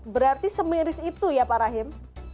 berarti semiris itu ya pak rahim